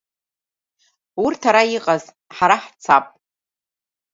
Урҭ ара иҟаз, ҳара ҳцап.